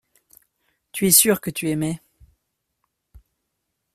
Tu es sûr que tu aimais.